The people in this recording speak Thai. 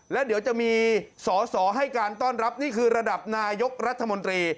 และเดี๋ยวจะมีสอสอให้การต้อนรับนี่คือระดับนายกรัฐมนตรี